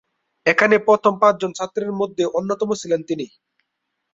এখানে প্রথম পাঁচ জন ছাত্রের মধ্যে অন্যতম ছিলেন তিনি।